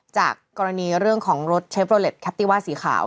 จากกรณีเรื่องของรถเชฟโลเล็ตแคปติว่าสีขาว